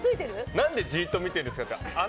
何かじっと見ているんですか？